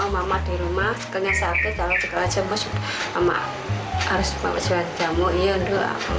mama di rumah kenyataan saya kalau jualan jamu harus mama jualan jamu